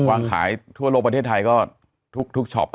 วางขายทั่วโลกประเทศไทยก็ทุกช็อป